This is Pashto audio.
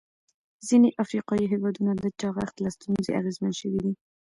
ځینې افریقایي هېوادونه د چاغښت له ستونزې اغېزمن شوي دي.